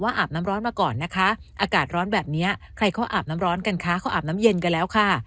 อากาศร้อนแบบนี้ใครเขาอาบน้ำร้อนกันคะเขาอาบน้ำเย็นกันแล้วค่ะ